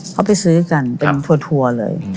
เขาไปซื้อกันเป็นทัวร์เลย